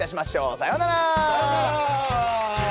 さようなら！